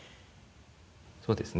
そうですね。